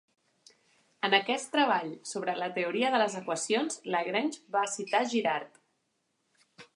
En aquest treball sobre la teoria de les equacions, Lagrange va citar Girard.